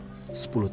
tidak hanya itu